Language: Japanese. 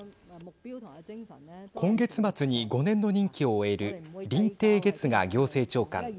今月末に５年の任期を終える林鄭月娥行政長官。